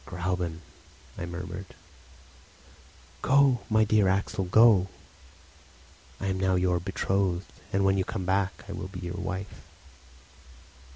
"Gräuben!" I murmured. "Go, my dear Axel, go! I am now your betrothed; and when you come back I will be your wife."